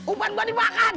upan gua dimakan